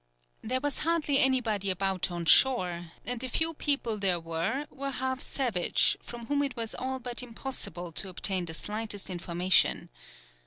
There was hardly anybody about on shore, and the few people there were were half savage, from whom it was all but impossible to obtain the slightest information.